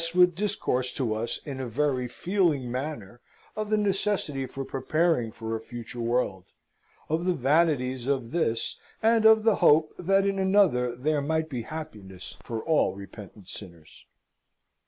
would discourse to us in a very feeling manner of the necessity for preparing for a future world; of the vanities of this, and of the hope that in another there might be happiness for all repentant sinners.